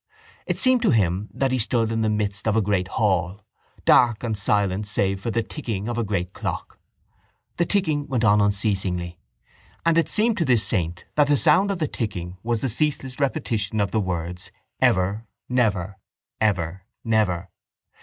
It seemed to him that he stood in the midst of a great hall, dark and silent save for the ticking of a great clock. The ticking went on unceasingly; and it seemed to this saint that the sound of the ticking was the ceaseless repetition of the words: ever, never; ever, never.